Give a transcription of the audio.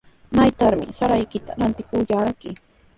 ¿Maytrawmi saraykita ratikurqayki?